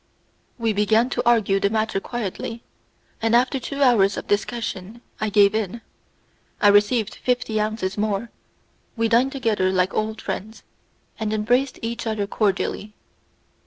We began to argue the matter quietly, and after two hours of discussion I gave in. I received fifty ounces more, we dined together like old friends, and embraced each other cordially.